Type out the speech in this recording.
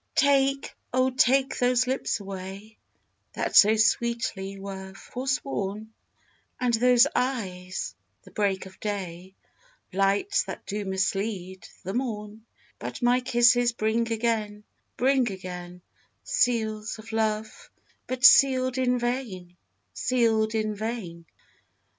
Take, O, take those lips away, That so sweetly were forsworn; And those eyes, the break of day, Lights that do mislead the morn: But my kisses bring again, bring again; Seals of love, but sealed in vain, sealed in vain.